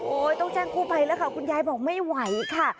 ต้องแจ้งกู้ภัยแล้วค่ะคุณยายบอกไม่ไหวค่ะ